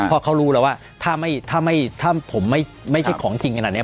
เพราะเขารู้แล้วว่าถ้าผมไม่ใช่ของจริงขนาดนี้